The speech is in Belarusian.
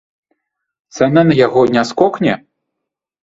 Цана на яго не скокне?